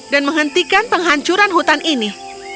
dan menghentikan penghancuran hutan ini